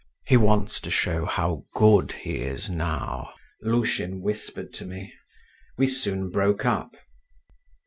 "He wants to show how good he is now," Lushin whispered to me. We soon broke up.